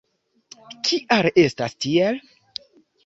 Kial estas tiel?